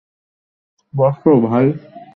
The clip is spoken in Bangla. বসো, ভাই।